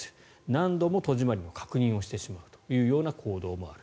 何度も戸締まりの確認をしてしまうというような行動もある。